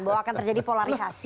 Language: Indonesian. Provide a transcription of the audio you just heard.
bahwa akan terjadi polarisasi